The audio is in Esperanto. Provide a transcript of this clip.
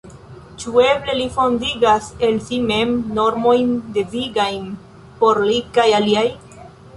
Ĉu eble li fontigas el si mem normojn devigajn por li kaj aliaj?